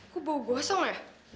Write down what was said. kok bau gosong ya